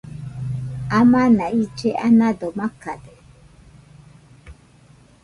Amana ille anado makade